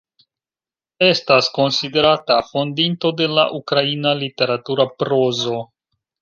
Estas konsiderata fondinto de la ukraina literatura prozo.